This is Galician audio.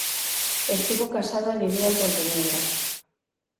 Estivo casado e vivía en Pontevedra.